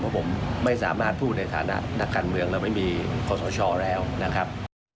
เพราะผมไม่สามารถพูดในฐานะนักการเมืองแล้วไม่มีข้อสชแล้วนะครับ